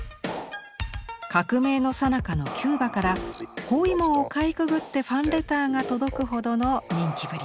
革命のさなかのキューバから包囲網をかいくぐってファンレターが届くほどの人気ぶり。